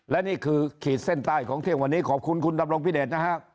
และนี่คือขีดเส้นใต้ของเที่ยงวันนี้ขอบคุณคุณดำรงพิเดชนะฮะ